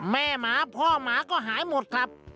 หมาพ่อหมาก็หายหมดครับ